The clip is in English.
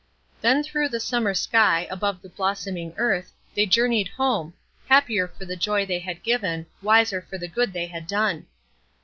Then through the summer sky, above the blossoming earth, they journeyed home, happier for the joy they had given, wiser for the good they had done.